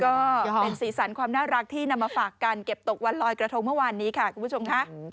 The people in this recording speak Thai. ก็เป็นสีสันความน่ารักที่นำมาฝากกันเก็บตกวันลอยกระทงเมื่อวานนี้ค่ะคุณผู้ชมค่ะ